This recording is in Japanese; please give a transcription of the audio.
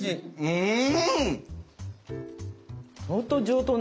うん！